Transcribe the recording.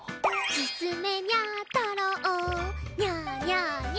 「すすめにゃ太郎」「にゃにゃにゃ」